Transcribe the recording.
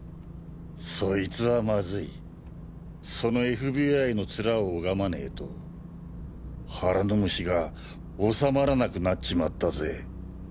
そいつはマズいそのＦＢＩのツラを拝まねぇと腹の虫がおさまらなくなっちまったぜ。